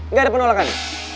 nggak ada penolakan